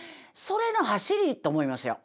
それのはしりと思いますよ。